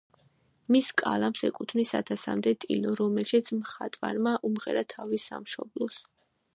მის კალამს ეკუთვნის ათასამდე ტილო, რომელშიც მხატვარმა უმღერა თავის სამშობლოს.